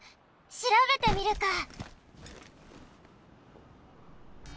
しらべてみるか！